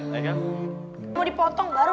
mau dipotong baru